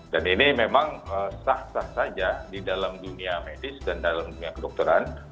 dan ini memang sah sah saja di dalam dunia medis dan dalam dunia kedokteran